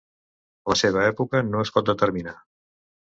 La seva època no es pot determinar.